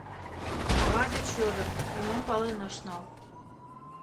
Ава деч йодо, нимом пален ыш нал.